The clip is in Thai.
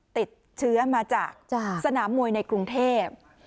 ติดเชื้อมาจากสนามมวยในกรุงเทพ